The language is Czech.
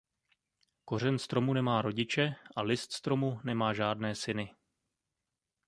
Kořen stromu nemá rodiče a list stromu nemá žádné syny.